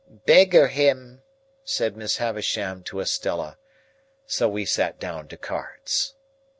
"Beggar him," said Miss Havisham to Estella. So we sat down to cards.